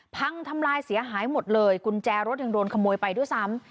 พังทำลายเสียหายหมดเลยกุญแจรถยังโดนขโมยไปด้วยซ้ำ